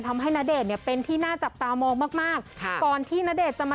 มันหล่อทะลุจอออกมาเลยอะ